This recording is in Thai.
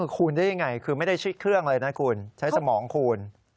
คูณได้ยังไงคือไม่ได้ใช้เครื่องเลยนะคุณใช้สมองคูณ